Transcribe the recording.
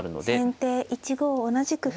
先手１五同じく歩。